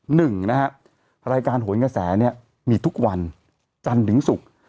หนึ่งนะฮะรายการโหนกระแสเนี่ยมีทุกวันจันทร์ถึงศุกร์